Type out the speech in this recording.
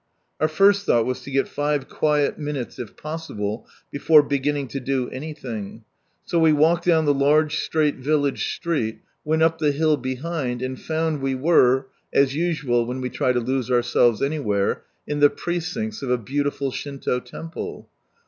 Our first thought was to get five quiet minutes, if possible, before beginning lo do anything, so we walked down the long straight village street, went up the hill behind, and found we were — as usual when we try to lose ourselves anywhere — in the precincts of a beautiful Shinto Temple.